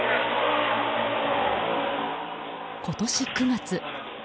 今年９月。